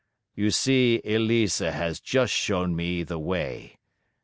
you see Elisa has just shown me the way.